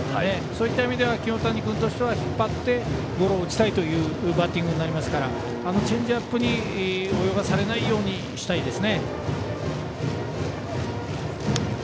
そういった意味では清谷君としては引っ張ってゴロを打ちたいというバッティングになりますからあのチェンジアップに泳がされないようにしたいですね。